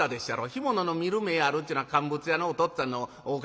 干物の見る目あるっちゅうのは乾物屋のおとっつぁんのおかげですわええ。